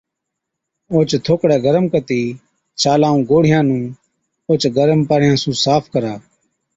اوهچ ٿوڪڙَي گرم ڪتِي ڇالان ائُون گوڙهِيان نُون اوهچ گرم پاڻِيان سُون صاف ڪرا۔